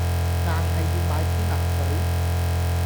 硬係要買天拿水